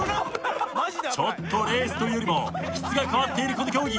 ちょっとレースというよりも質が変わっているこの競技。